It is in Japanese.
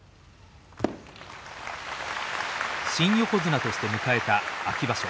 新横綱として迎えた秋場所。